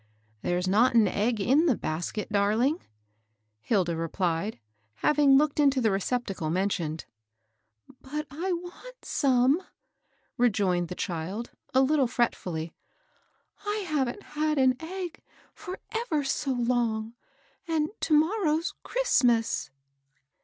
" There's not an egg in the basket, darling/' Hilda replied, having looked into the receptacle mentioned, " But I want some," rejoined the child, a little fretfully. " I haven't had an egg for ever so long, — and to morrow's Christmas."